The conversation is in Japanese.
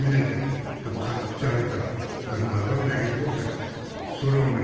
パカッと口開いたら中身だけ取ってそれをね